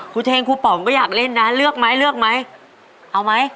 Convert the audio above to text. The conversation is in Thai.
ครูเทนครูปองก็อยากเล่นนะเลือกไหมเอาไหม